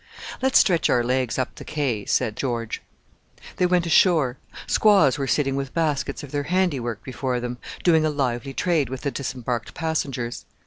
"Let's stretch our legs up the quay," said George. They went ashore. Squaws were sitting with baskets of their handiwork before them, doing a lively trade with the disembarked passengers.